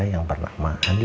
yang pernah mandi